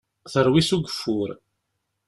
Terwi s ugeffur.